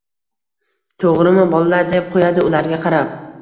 To‘g‘rimi bolalar, deb qo‘yadi ularga qarab.